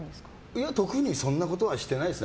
いや、特にそんなことはしてないですね。